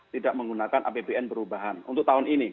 tidak menggunakan apbn perubahan untuk tahun ini